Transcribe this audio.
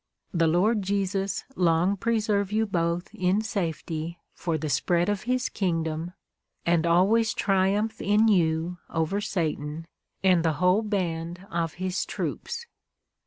The Lord Jesus long preserve you both in safety for the spread of His kingdom, and always triumph in you over Satan, and the whole band of his troops